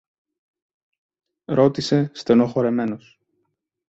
ρώτησε στενοχωρεμένος.